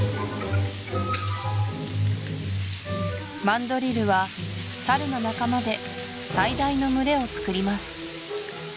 マンドリルはサルの仲間で最大の群れをつくります